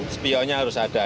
sepionnya harus ada